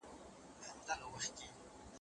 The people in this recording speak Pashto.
د حج په مابينځ کي مي خپلي خوني ولیدې.